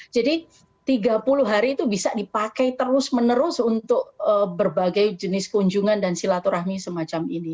tiga puluh hari itu bisa dipakai terus menerus untuk berbagai jenis kunjungan dan silaturahmi semacam ini